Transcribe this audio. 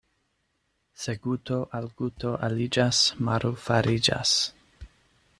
Se guto al guto aliĝas, maro fariĝas.